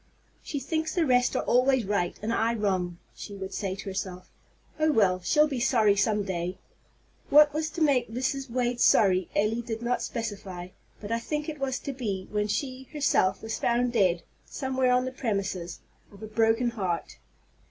"She thinks the rest are always right, and I wrong," she would say to herself. "Oh, well! she'll be sorry some day." What was to make Mrs. Wade sorry Elly did not specify; but I think it was to be when she, herself, was found dead, somewhere on the premises, of a broken heart!